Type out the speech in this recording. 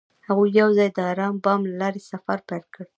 هغوی یوځای د آرام بام له لارې سفر پیل کړ.